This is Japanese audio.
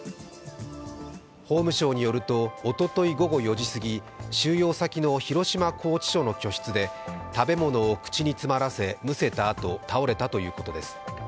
法務省によるとおととい午後４時過ぎ収容先の広島拘置所の居室で食べ物を口に詰まらせむせたあと、倒れたということです